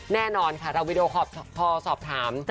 แน่นอนค่ะเราวิดีโอคอลสอบถาม